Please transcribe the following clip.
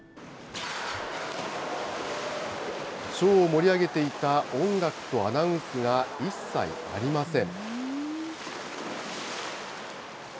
ショーを盛り上げていた音楽とアナウンスが一切ありません。